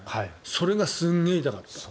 それがすごい痛かった。